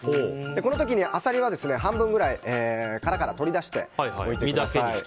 この時にアサリは半分くらい殻から取り出しておいてください。